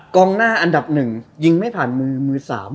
กลองหน้าอันดับหนึ่งยิงไม่ถันมือมือสาม